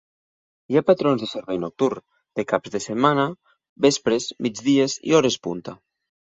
Hi ha patrons de servei nocturn, de caps de setmana, vespres, migdies i hores punta.